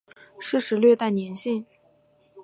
湿时略带黏性。